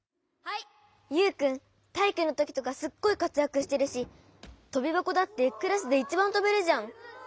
ユウくんたいいくのときとかすっごいかつやくしてるしとびばこだってクラスでいちばんとべるじゃん。